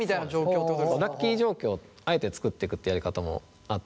ラッキー状況をあえて作ってくっていうやり方もあって